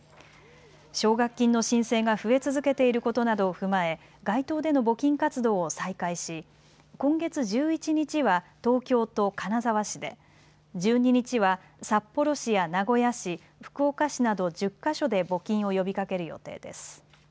奨学金の申請が増え続けていることなどを踏まえ街頭での募金活動を再開し今月１１日は東京と金沢市で、１２日は札幌市や名古屋市、福岡市など１０か所で募金を呼びかける予定です。